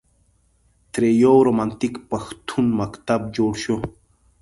ترې یو رومانتیک پښتون مکتب جوړ شو.